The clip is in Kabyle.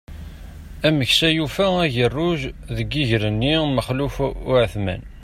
Ameksa yufa agerruj deg iger-nni n Maxluf Uεetman.